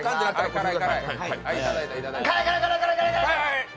辛い？